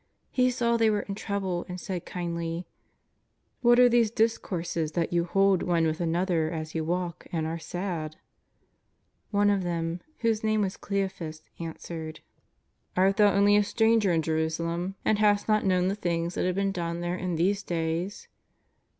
He saw they were in trouble and said kindly :" What are these discourses that you hold one with another as you walk, and are sad ?" One of them, whose name was Cleophas, answered: 380 JESUS OF NAZAEETH, "Art thou only a stranger in Jerusalem, and hast not kno^\^l the things that have been done there in these days